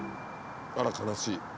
あら悲しい。